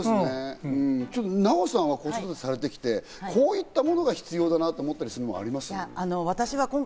ナヲさんは子育てをされてきて、こういったものが必要だなって思ったりするものはあります？